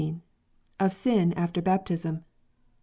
Of Sin after Baptism.